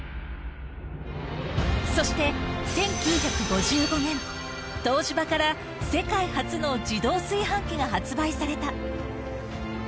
そして１９５５年、東芝から世界初の自動炊飯器が発売された。